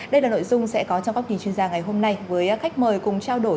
đây là nội dung sẽ có trong góc nhìn chuyên gia ngày hôm nay với khách mời cùng trao đổi